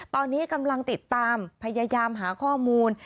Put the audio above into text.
ตอนนี้กำลังติดตามพยายามหาข้อมูล